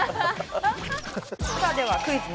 さあではクイズ！！